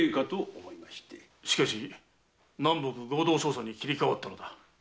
しかし南北合同捜査に切り替わったのだ。